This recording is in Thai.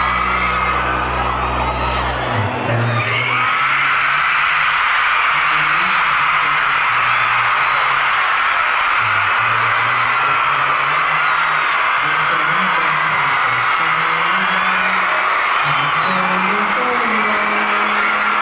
รู้สึกจะไม่เสียใจถ้าเกิดอยู่ข้างใน